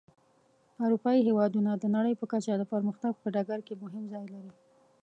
اروپایي هېوادونه د نړۍ په کچه د پرمختګ په ډګر کې مهم ځای لري.